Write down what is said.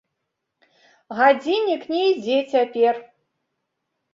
Гадзіннік не ідзе цяпер.